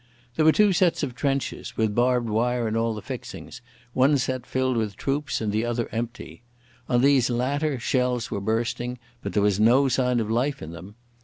There were two sets of trenches with barbed wire and all the fixings, one set filled with troops and the other empty. On these latter shells were bursting, but there was no sign of life in them.